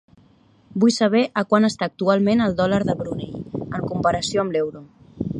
Vull saber a quant està actualment el dòlar de Brunei en comparació amb l'euro.